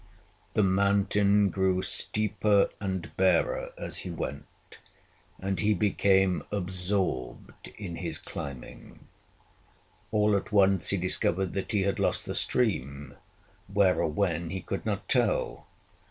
The mountain grew steeper and barer as he went, and he became absorbed in his climbing. All at once he discovered that he had lost the stream, where or when he could not tell.